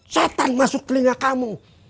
setan masuk kelinga kamu